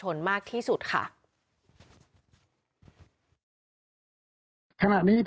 โหวตตามเสียงข้างมาก